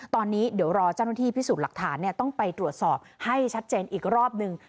ตอนนี้เดี๋ยวรอเจ้าหน้าที่พิสูจน์หลักฐานต้องไปตรวจสอบให้ชัดเจนอีกรอบหนึ่ง